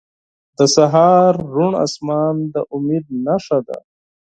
• د سهار روڼ آسمان د امید نښه ده.